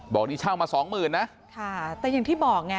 บอกนี่เช่ามาสองหมื่นนะค่ะแต่อย่างที่บอกไง